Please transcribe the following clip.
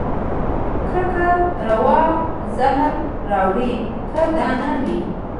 کرکه راوړه زهر راوړه که دا نه وي